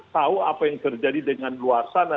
tahu apa yang terjadi dengan luar sana